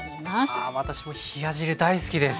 あ私も冷や汁大好きです。